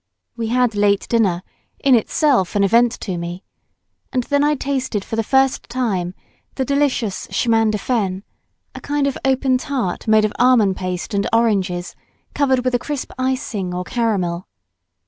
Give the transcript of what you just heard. We had late dinner, in itself an event to me, and then I tasted for the first time the delicious chemin de fen, a kind of open tart made of almond paste and oranges covered with a crisp icing or caramel.